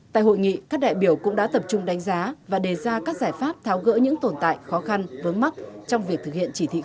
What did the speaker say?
tại hội nghị các đại biểu cũng đã tập trung đánh giá và đề ra các giải pháp tháo gỡ những tồn tại khó khăn vướng mắt trong việc thực hiện chỉ thị